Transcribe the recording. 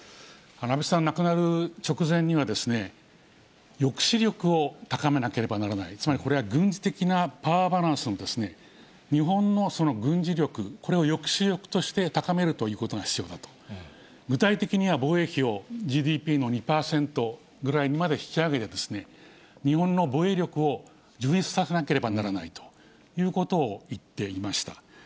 安倍さん亡くなる直前には、抑止力を高めなければならない、つまりこれは軍事的なパワーバランスの日本の軍事力、これを抑止力として高めるということが必要だと、具体的には防衛費をＧＤＰの２％ぐらいにまで引き上げて、日本の防衛力を充実させなければならないということを言っていました。